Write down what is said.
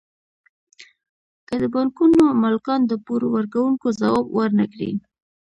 که د بانکونو مالکان د پور ورکوونکو ځواب ورنکړي